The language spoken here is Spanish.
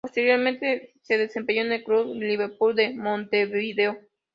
Posteriormente se desempeñó en el club Liverpool de Montevideo.